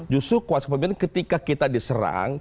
justru kualitas kepemimpinan ketika kita diserang